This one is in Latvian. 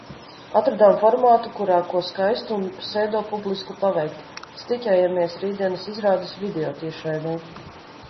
Atradām formātu, kurā ko skaistu un pseidopublisku paveikt – stiķējamies rītdienas izrādes videotiešraidei.